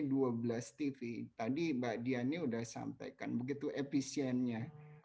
jadi kalau di tv tadi mbak dianya sudah sampaikan begitu efisiennya